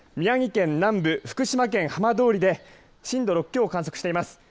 宮城県南部、福島県浜通りで震度６強を観測しています。